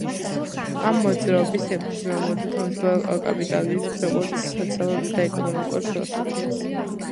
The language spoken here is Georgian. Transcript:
ამ მოძრაობის ეფუძნებოდა თავისუფალ კაპიტალიზმს, როგორც სოციალურ და ეკონომიკურ ფილოსოფიას.